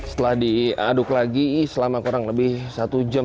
setelah diaduk lagi selama kurang lebih satu jam